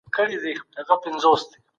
عاجزي د غرور په پرتله ډېره غوره او ښکلا ده.